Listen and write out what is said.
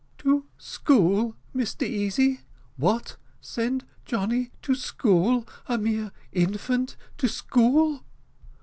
"To school, Mr Easy? what, send Johnny to school! a mere infant to school!"